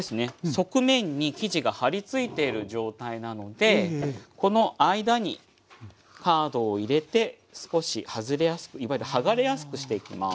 側面に生地が貼りついている状態なのでこの間にカードを入れて少し外れやすくいわゆる剥がれやすくしていきます。